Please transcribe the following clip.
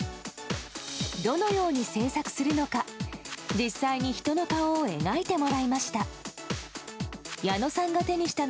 どのように制作するのか実際に人の顔を描いてもらいました。